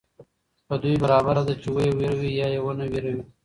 په دوى برابره ده چي وئې وېروې يا ئې ونه وېروې